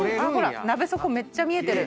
鍋底めっちゃ見えてる。